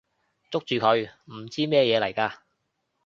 捉住佢！唔知咩嘢嚟㗎！